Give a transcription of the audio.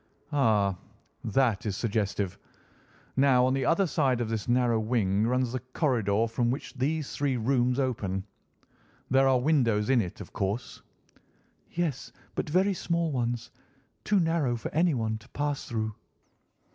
"Ah! that is suggestive. Now, on the other side of this narrow wing runs the corridor from which these three rooms open. There are windows in it, of course?" "Yes, but very small ones. Too narrow for anyone to pass through."